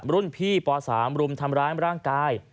รุ่นพี่ป๓รุมทำร้ายร่างกาย